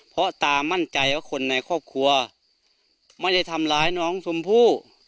เพราะตามั่นใจว่าคนในครอบครัวไม่ได้ทำร้ายน้องชมพู่